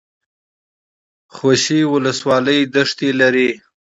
خوشي ولسوالۍ دښتې لري؟